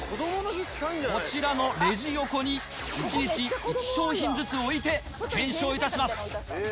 こちらのレジ横に、１日１商品ずつ置いて検証いたします。